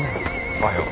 おはよう。